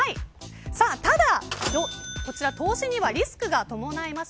ただこちら投資にはリスクが伴います。